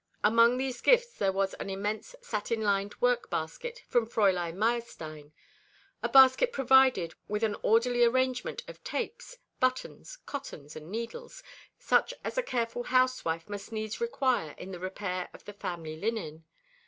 Among these gifts there was an immense satin lined work basket, from Fräulein Meyerstein a basket provided with an orderly arrangement of tapes, buttons, cottons, and needles, such as a careful housewife must needs require in the repair of the family linen.